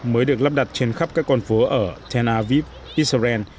mới được lắp đặt trên khắp các con phố ở tel aviv israel